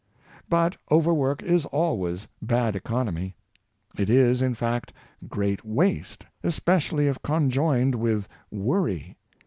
But overwork is always bad economy. It is, in fact, great waste, especially if conjoined with worry.